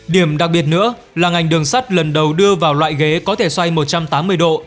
điểm đặc biệt nữa là ngành đường sắt lần đầu đưa vào loại ghế có thể xoay một trăm tám mươi độ